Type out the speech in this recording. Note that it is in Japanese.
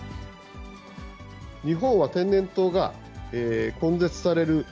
日本は天然痘が根絶される